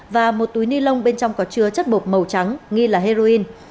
và một túi ni lông bên trong có chứa chất bột màu trắng nghi là heroin